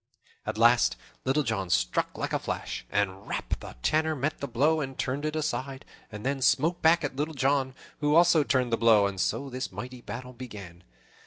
At last Little John struck like a flash, and "rap!" the Tanner met the blow and turned it aside, and then smote back at Little John, who also turned the blow; and so this mighty battle began.